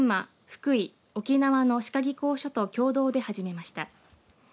福井、沖縄の歯科技工所と共同で始めました。